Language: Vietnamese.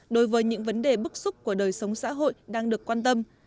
đối với những vấn đề bức xúc của đời sống xã hội đang được quan tâm